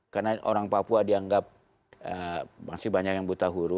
karena orang papua dianggap masih banyak yang buta huruf